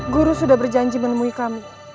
guru sudah berjanji menemui kami